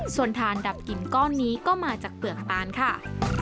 ส่วนทานดับกลิ่นก้อนนี้ก็มาจากเปลือกตานค่ะ